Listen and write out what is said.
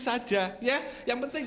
ada apa pak